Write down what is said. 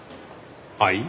はい？